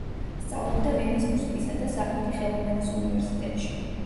სწავლობდა ვენის მუსიკისა და სახვითი ხელოვნების უნივერსიტეტში.